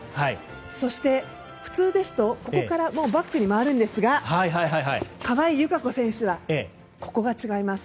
そして普通ですと、ここからバックに回るんですが川井友香子選手はここが違います。